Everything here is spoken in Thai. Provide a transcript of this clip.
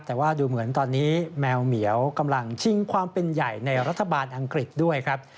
แต่ว่าดูเหมือนตอนนี้แมวเหมียวกำลังชิงความเป็นใหญ่ในรัฐบาลอังกฤษด้วยครับ